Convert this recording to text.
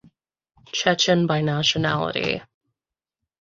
Chechen by nationality.